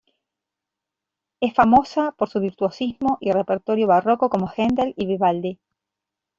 Es famosa por su virtuosismo y repertorio barroco como Händel y Vivaldi.